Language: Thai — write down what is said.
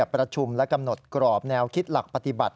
ประชุมและกำหนดกรอบแนวคิดหลักปฏิบัติ